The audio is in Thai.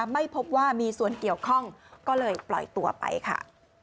ไม่พบว่ามีส่วนเกี่ยวข้องก็เลยปล่อยตัวไปค่ะ